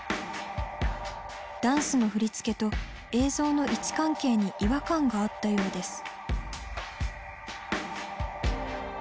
ダンスの振り付けと映像の位置関係に違和感があったようです。